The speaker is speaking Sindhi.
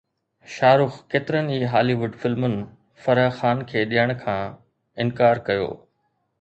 شاهه رخ ڪيترن ئي هالي ووڊ فلمن فرح خان کي ڏيڻ کان انڪار ڪيو